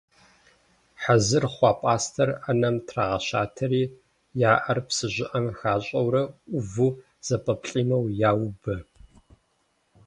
Хьэзыр хъуа пӏастэр ӏэнэм трагъэщатэри я ӏэр псы щӏыӏэм хащӏэурэ ӏуву, зэпэплӏимэу яубэ.